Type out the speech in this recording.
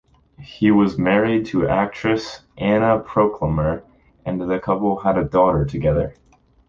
He was married to actress Anna Proclemer and the couple had a daughter together.